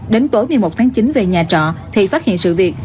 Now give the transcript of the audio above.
đến tối một mươi một tháng chín về nhà trọ thì phát hiện sự việc